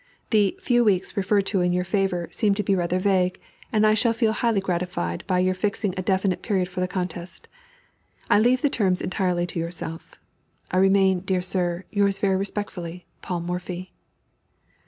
"The 'few weeks' referred to in your favor seem to be rather vague, and I shall feel highly gratified by your fixing a definite period for the contest. I leave the terms entirely to yourself. I remain, dear sir, yours very respectfully, "PAUL MORPHY."